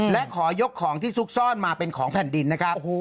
และขอยกของที่ซุกซ่อนมาเป็นของแผ่นดินนะครับ